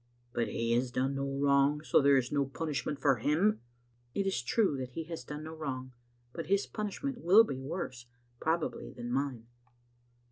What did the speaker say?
" But he has done no wrong, so there is no punish ment for him?" " It is true that he has done no wrong, but his punish ment will be worse, probably, than mine."